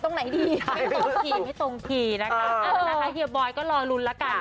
เข้าเก็บตรงไหนดีไม่ตรงทีนะคะอ้าวนะคะเฮียบอยก็รอรุนแล้วกัน